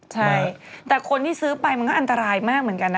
ใช่แต่คนที่ซื้อไปมันก็อันตรายมากเหมือนกันนะ